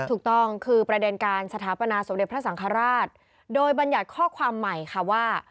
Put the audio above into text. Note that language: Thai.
ถูกต้องคือประเด็นการสถาปนาสมเด็จพระสังฆราชโดยบรรยัติข้อความใหม่ค่ะว่า